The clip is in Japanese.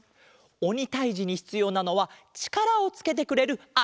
おにたいじにひつようなのはちからをつけてくれるあれだわん。